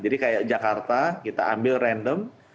jadi kayak jakarta kita ambil random